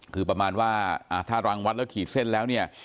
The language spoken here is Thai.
คือประมาณว่าอาทารังวัดเราขีดเส้นแล้วนี่